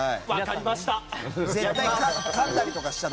分かりました！